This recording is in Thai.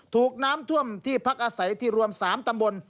ถูกน้ำท่วมที่พักอาศัยที่รวม๓ตำบล